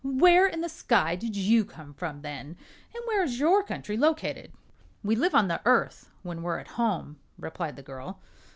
"Where in the Sky did you come from, then, and where is your country located?" "We live on the Earth, when we're at home," replied the girl.